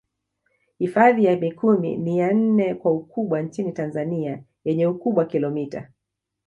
Hifadhi ya Mikumi ni ya nne kwa ukubwa nchini Tanzania yenye ukubwa kilomita